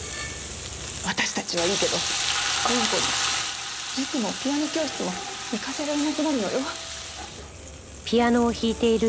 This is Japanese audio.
私たちはいいけど凛子に塾もピアノ教室も行かせられなくなるのよ。